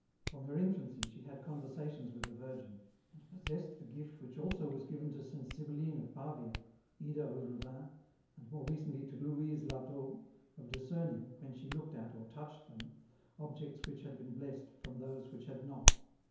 From her infancy she had conver sations with the Virgin, and possessed the gift which also was given to Saint Sib)'lline of Pavia, Ida of Louvain, and more recently to Louise Lateau, of discerning, when she looked at, or touched them, objects which had been blessed from those which had not.